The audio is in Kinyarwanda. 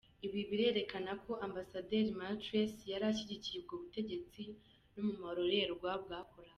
Ibi birerekana ko ambasaderi Martres yari ashyigikiye ubwo butegetsi no mu marorerwa bwakoraga.